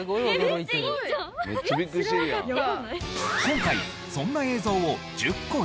今回そんな映像を１０個用意。